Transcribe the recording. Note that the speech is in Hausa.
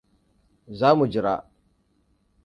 Za mu jira.